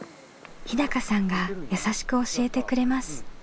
日さんが優しく教えてくれます。